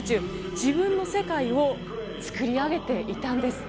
自分の世界を作り上げていたんです。